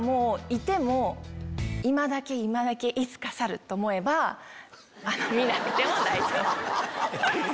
いても今だけ今だけいつか去る！と思えば見なくても大丈夫。